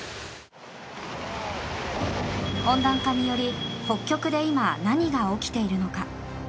温暖化により北極で今、何が起きているのか。